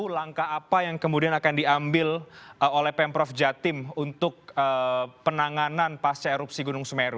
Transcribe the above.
langkah apa yang kemudian akan diambil oleh pemprov jatim untuk penanganan pasca erupsi gunung semeru